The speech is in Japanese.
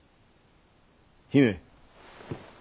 姫。